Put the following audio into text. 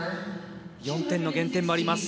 ４点の減点もあります。